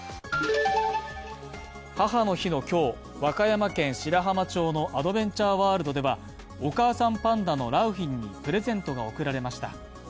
母の日の今日、和歌山県白浜町のアドベンチャーワールドではお母さんパンダの良浜にプレゼントが贈られました。